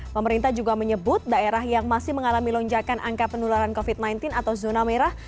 pemerintah juga menyebut daerah yang masih mengalami lonjakan angka penularan covid sembilan belas atau zona merah